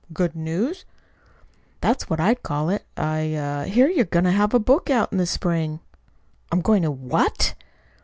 "GOOD news?" "That's what I'd call it. I er hear you're going to have a book out in the spring." "I'm going to WHAT?"